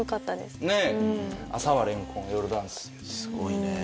すごいねえ。